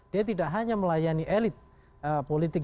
dia tidak hanya melayani elit politik